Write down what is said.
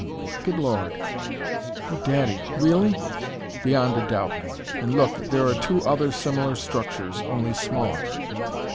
"Good Lord!" "Oh, daddy! Really?" "Beyond a doubt! And look there are two other similar structures, only smaller!"